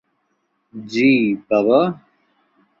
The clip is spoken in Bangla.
জ্বি, বাবা।